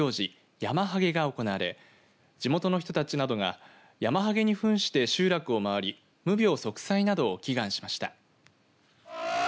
ヤマハゲが行われ地元の人たちなどがヤマハゲにふんして集落を回り無病息災などを祈願しました。